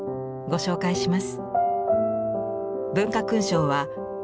ご紹介します。